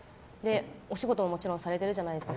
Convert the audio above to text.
お仕事ももちろんされてるじゃないですか。